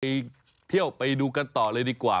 ไปเที่ยวไปดูกันต่อเลยดีกว่า